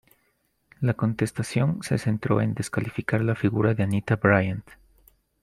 La contestación se centró en descalificar la figura de Anita Bryant.